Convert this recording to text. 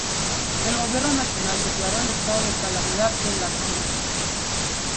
El gobierno nacional declaró el estado de calamidad en la zona.